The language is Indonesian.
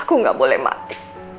aku gak boleh mati